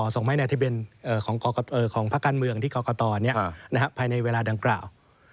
ส่งไว้ในทะเบียนของภาคการเมืองที่กรกตภายในเวลาดังกล่าว